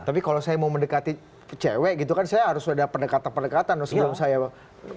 tapi kalau saya mau mendekati cewek gitu kan saya harus ada pendekatan pendekatan loh sebelum saya bang